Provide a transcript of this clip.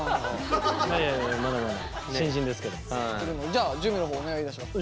じゃあ準備の方お願いいたします。